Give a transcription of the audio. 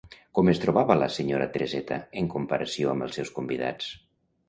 Com es trobava la senyora Tereseta en comparació amb els seus convidats?